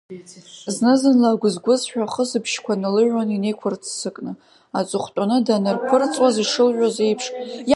Зны-зынла агәыз-гәызҳәа ахысбыжьқәа налыҩуан инеиқәырццакны, аҵыхәтәаны данаԥырҵуаз ишалыҩуаз еиԥш.